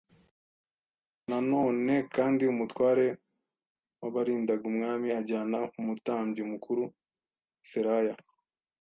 Nanone kandi umutware w abarindaga umwami ajyana umutambyi mukuru Seraya